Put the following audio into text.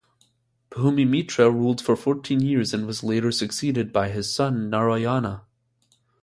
Bhumimitra ruled for fourteen years and was later succeeded by his son Narayana.